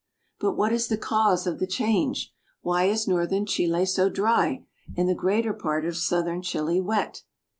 But what is the cause of the change? Why is northern Chile so dry and the greater part of southern Chile wet?